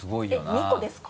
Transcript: ２個ですか？